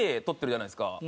ＮＨＫとってるじゃないですか。